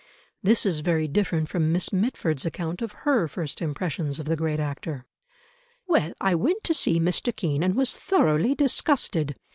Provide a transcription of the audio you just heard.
This is very different from Miss Mitford's account of her first impressions of the great actor: "Well, I went to see Mr. Kean and was thoroughly disgusted.